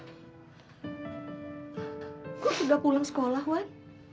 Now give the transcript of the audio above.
aku sudah pulang sekolah iwan